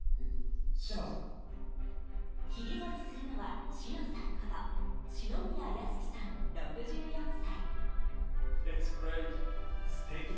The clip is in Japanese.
切り盛りするのはシノさんこと四宮康貴さん、６４歳。